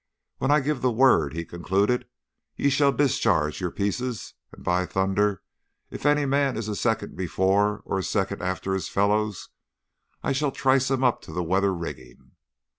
'When I give the word,' he concluded, 'you shall discharge your pieces, and by thunder, if any man is a second before or a second after his fellows I shall trice him up to the weather rigging!